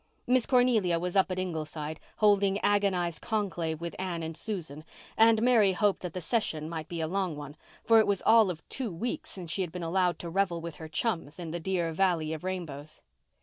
Miss Cornelia was up at Ingleside, holding agonized conclave with Anne and Susan, and Mary hoped that the session might be a long one, for it was all of two weeks since she had been allowed to revel with her chums in the dear valley of rainbows.